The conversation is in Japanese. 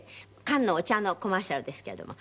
缶のお茶のコマーシャルですけれども。